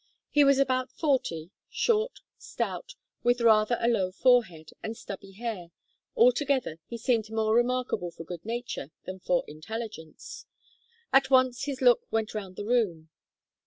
He was about forty, short, stout, with rather a low forehead, and stubby hair; altogether, he seemed more remarkable for good nature than for intelligence. At once his look went round the room.